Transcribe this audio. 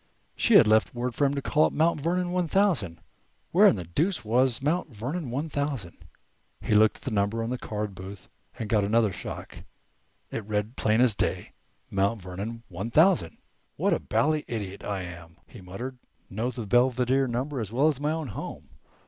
She had left word for him to call up "Mount Vernon one thousand." Where in the deuce was "Mount Vernon one thousand"? He looked at the number card in the booth and got another shock. It read as plain as day: "Mount Vernon 1000." "What a bally idiot I am!" he muttered. "Know the Belvedere number as well as my own home.